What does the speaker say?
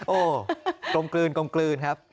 โอ้กลมกลืนครับ